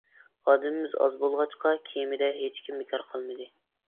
ئادىمىمىز ئاز بولغاچقا كېمىدە ھېچكىم بىكار قالمىدى.